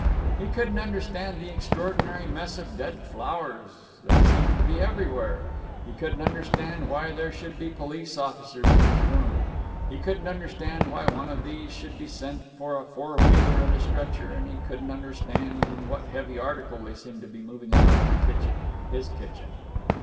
He couldn't understand the extraordinary mess of dead flowers there seemed to be everywhere; he couldn't understand why there should be police officers in his room; he couldn't understand why one of these should be sent for a four wheeler and a stretcher; and he couldn't understand what heavy article they seemed to be moving about in the kitchen his kitchen....